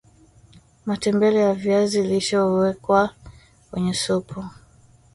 matembele ya viazi lishe kuwekwa kwenye supu